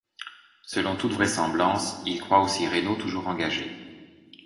Selon toute vraisemblance, il croit aussi Reno toujours engagé.